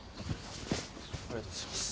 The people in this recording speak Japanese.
ありがとうございます。